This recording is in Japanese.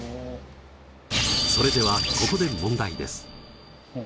それではここで問題です。